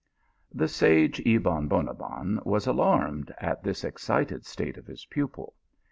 The sage Ebon Bonabbon was alarmed at this ex cited state of Jiis pupil.